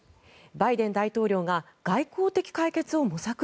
バイデン大統領が外交的解決を模索？